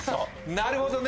なるほどね。